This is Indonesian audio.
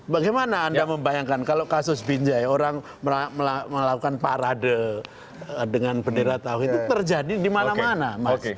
bagaimana anda membayangkan kalau kasus binjai orang melakukan parade dengan bendera tahu itu terjadi di mana mana mas